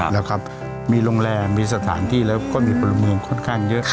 แล้วครับมีโรงแรมมีสถานที่แล้วก็มีพลเมืองค่อนข้างเยอะ